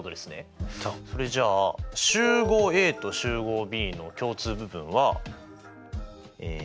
それじゃあ集合Ａと集合Ｂの共通部分は。